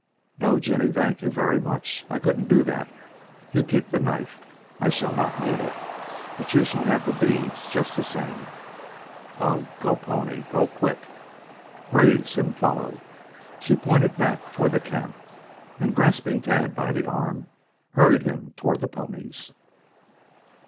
"No, Jinny, thank you very much. I couldn't do that. You keep the knife. I shall not need it, but you shall have the beads just the same." "Ugh! Go pony. Go quick. Braves him follow." She pointed back toward the camp, and, grasping Tad by the arm, hurried him toward the ponies.